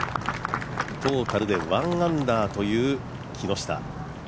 トータルで１アンダーという木下。